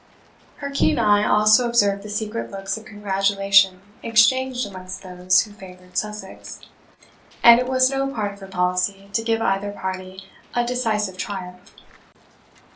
Her keen eye also observed the secret looks of congratulation exchanged amongst those who favoured Sussex, and it was no part of her policy to give either party a decisive triumph.